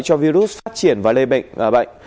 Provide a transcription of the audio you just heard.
cho virus phát triển và lây bệnh